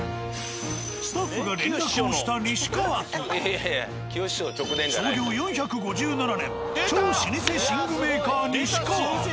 スタッフが連絡をした「西川」とは創業４５７年超老舗寝具メーカー「西川」。